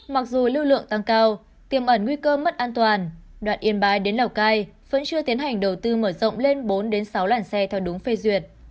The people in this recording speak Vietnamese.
mặc dù lưu lượng tăng cao tiềm ẩn nguy cơ mất an toàn đoạn yên bái đến lào cai vẫn chưa tiến hành đầu tư mở rộng lên bốn sáu làn xe theo đúng phê duyệt